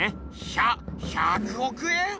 ひゃ１００億円